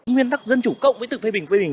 nguyên tắc dân chủ cộng với tự phê bình phê bình